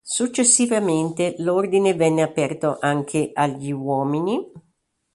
Successivamente l'Ordine venne aperto anche agli uomini.